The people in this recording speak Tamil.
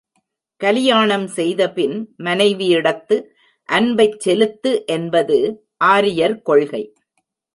கலியாணம் செய்தபின் மனைவியிடத்து அன்பைச் செலுத்து என்பது ஆரியர் கொள்கை.